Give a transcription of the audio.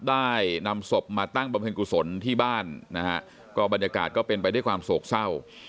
ได้นำศพมาตั้งบำเพ็ญกุศลที่บ้านนะฮะก็บรรยากาศก็เป็นไปด้วยความโศกเศร้า